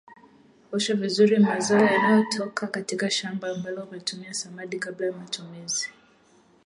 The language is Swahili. Osha vizuri mazao yanayotoka katika shamba ambalo umetumia samadi kabla ya matumizi